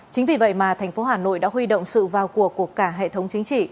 chính vì vậy mà thành phố hà nội đã huy động sự vào cuộc của cả hệ thống chính trị